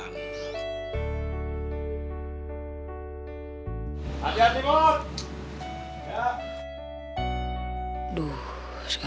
nah tentu saja possible